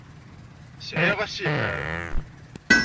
Sɛiɣ asihaṛ.